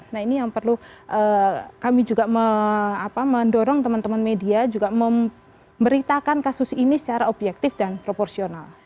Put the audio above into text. nah ini yang perlu kami juga mendorong teman teman media juga memberitakan kasus ini secara objektif dan proporsional